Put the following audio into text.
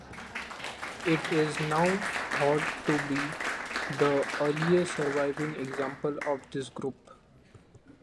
It is now thought to be the earliest surviving example of this group.